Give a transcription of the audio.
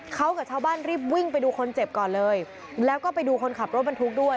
เขากับชาวบ้านรีบวิ่งไปดูคนเจ็บก่อนเลยแล้วก็ไปดูคนขับรถบรรทุกด้วย